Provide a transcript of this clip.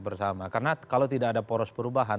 bersama karena kalau tidak ada poros perubahan